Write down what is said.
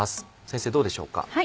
先生どうでしょうか。